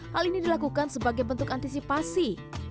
hal ini dilakukan sebagai bentuk antisipasi